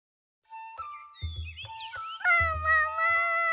ももも！